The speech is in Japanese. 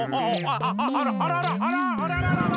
あっあららあらあららららら！